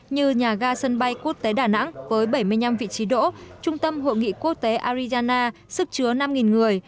như nhà ga sân bay quốc tế đà nẵng với bảy mươi năm vị trí đỗ trung tâm hội nghị quốc tế arizona sức chứa năm người